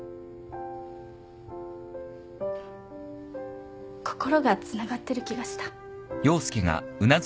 心がつながってる気がした。